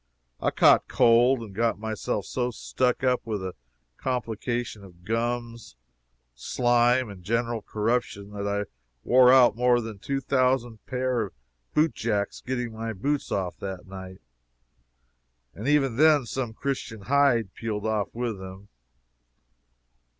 I caught cold, and got myself so stuck up with a complication of gums, slime and general corruption, that I wore out more than two thousand pair of boot jacks getting my boots off that night, and even then some Christian hide peeled off with them.